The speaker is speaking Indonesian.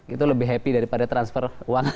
itu lebih happy daripada transfer uang